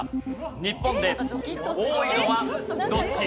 日本で多いのはどっち？